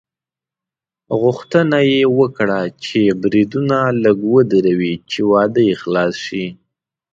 غوښتنه یې وکړه چې بریدونه لږ ودروي چې واده یې خلاص شي.